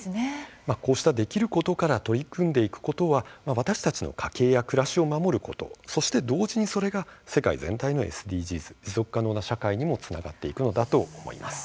こうした、できることから取り組んでいくことは私たちの家計や暮らしを守ることそして同時にそれが世界全体のＳＤＧｓ＝持続可能な社会にもつながっていくのだと思います。